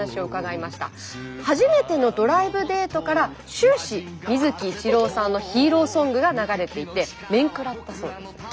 初めてのドライブデートから終始水木一郎さんのヒーローソングが流れていてめんくらったそうです。